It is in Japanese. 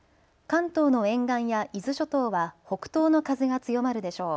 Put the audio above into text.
関東の沿岸や伊豆諸島は北東の風が強まるでしょう。